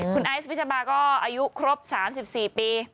คุณไอซ์พิชบาก็อายุครบ๓๔ปี